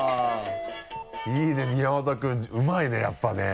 いいねみやわた君うまいねやっぱね。